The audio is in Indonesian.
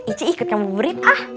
ici ikut ngamu burit ah